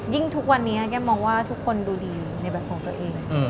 ทุกวันนี้แก้มมองว่าทุกคนดูดีในแบบของตัวเอง